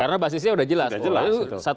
karena basisnya sudah jelas